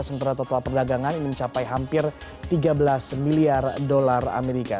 sementara total perdagangan ini mencapai hampir tiga belas miliar dolar amerika